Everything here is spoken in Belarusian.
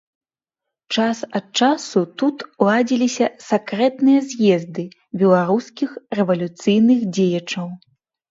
Час ад часу тут ладзіліся сакрэтныя з'езды беларускіх рэвалюцыйных дзеячаў.